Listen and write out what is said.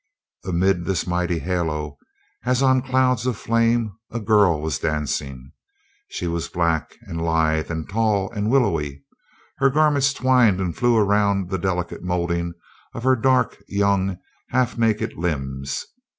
Amid this mighty halo, as on clouds of flame, a girl was dancing. She was black, and lithe, and tall, and willowy. Her garments twined and flew around the delicate moulding of her dark, young, half naked limbs.